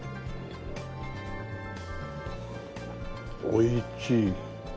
おいちい。